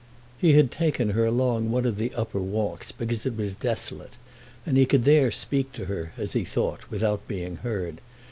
He had taken her along one of the upper walks because it was desolate, and he could there speak to her, as he thought, without being heard.